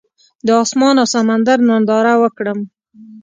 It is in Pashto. د اسمان او سمندر ننداره وکړم.